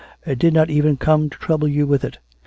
" I did not even come to trouble you with it.